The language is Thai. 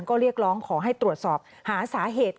ก็เรียกร้องขอให้ตรวจสอบหาสาเหตุ